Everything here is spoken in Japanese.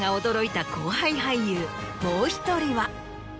もう１人は。